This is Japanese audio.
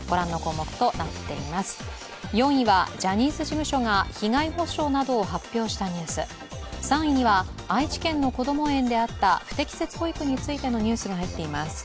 ４位はジャニーズ事務所が被害補償などを発表したニュース３位には、愛知県のこども園であった不適切保育についてのニュースが入っています